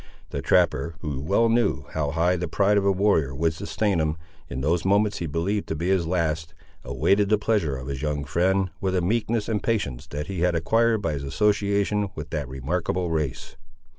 The trapper, who well knew how high the pride of a warrior would sustain him, in those moments he believed to be his last, awaited the pleasure of his young friend, with a meekness and patience that he had acquired by his association with that remarkable race.